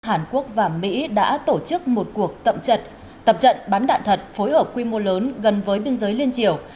hàn quốc và mỹ đã tổ chức một cuộc tập trận tập trận bắn đạn thật phối hợp quy mô lớn gần với biên giới liên triều